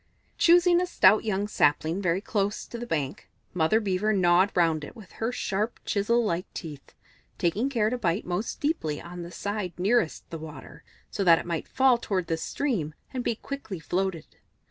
Choosing a stout young sapling very close to the bank, Mother Beaver gnawed round it with her sharp, chisel like teeth, taking care to bite most deeply on the side nearest the water, so that it might fall towards the stream and be quickly floated.